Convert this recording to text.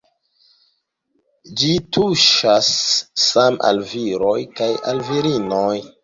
Ĝi tuŝas same al viroj kaj al virinoj.